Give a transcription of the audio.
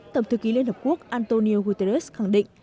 tổng thư ký liên hợp quốc antonio guterres khẳng định